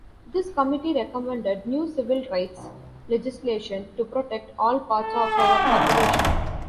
This committee recommended new Civil Rights legislation to protect "all parts of our population".